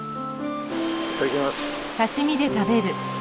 いただきます。